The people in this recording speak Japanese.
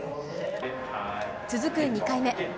続く２回目。